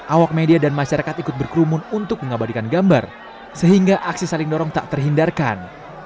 awak media dan masyarakat ikut berkerumun untuk mengabadikan gambar sehingga aksi saling dorong tak terhindarkan